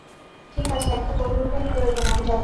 ঠিক আছে, একটা পরিবর্তন প্রয়োজন, আমি যাব।